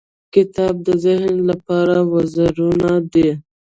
• کتاب د ذهن لپاره وزرونه دي.